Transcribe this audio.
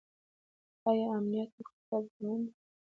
آیا امنیت د اقتصاد ضامن دی؟